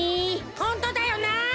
ホントだよな。